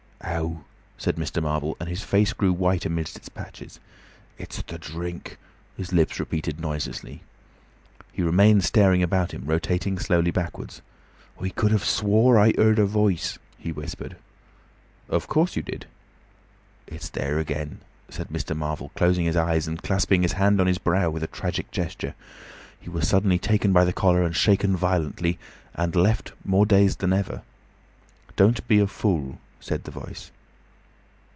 "Ow!" said Mr. Marvel, and his face grew white amidst its patches. "It's the drink!" his lips repeated noiselessly. He remained staring about him, rotating slowly backwards. "I could have swore I heard a voice," he whispered. "Of course you did." "It's there again," said Mr. Marvel, closing his eyes and clasping his hand on his brow with a tragic gesture. He was suddenly taken by the collar and shaken violently, and left more dazed than ever. "Don't be a fool," said the Voice.